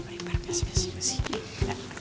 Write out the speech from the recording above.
masih masih masih